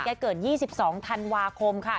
เกิด๒๒ธันวาคมค่ะ